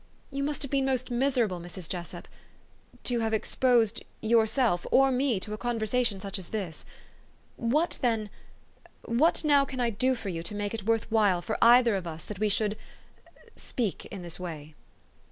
You must have been most miserable, Mrs. Jessup to have exposed yourself or me to a conversation euch as this. What then what now can I do for you to make it worth while for either of us that we should speak in this way?